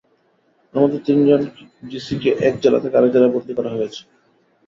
এর মধ্যে তিনজন ডিসিকে এক জেলা থেকে আরেক জেলায় বদলি করা হয়েছে।